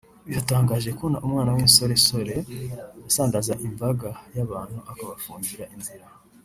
Biratangaje kubona umwana w’insoresore asandaza imbaga y’abantu akabafungira inzira